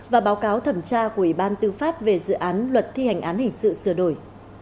và báo cáo thẩm tra của ủy ban tư pháp về dự án luật thi hành án hình sự sửa đổi